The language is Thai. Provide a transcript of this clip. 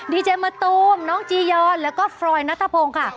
ดีเจมะตูมน้องจียอนแล้วก็ฟรอยนัทพงศ์ค่ะ